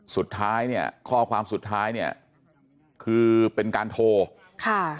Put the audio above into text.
สุดท้ายเนี่ยข้อความสุดท้ายเนี่ยคือเป็นการโทรค่ะ